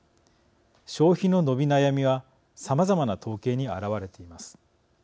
消費の伸び悩みはさまざまな統計に表れています。